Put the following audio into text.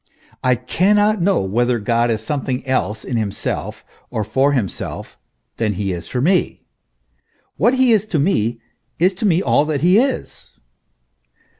I cannot know whether God is something else in himself or for himself, than he is for me ; what he is to me, is to me all that he is.